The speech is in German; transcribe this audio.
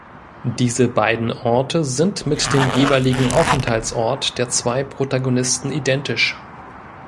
Diese beiden Orte sind mit dem jeweiligen Aufenthaltsort der zwei Protagonisten identisch.